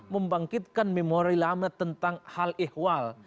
membangkitkan memori lama tentang hal ihwal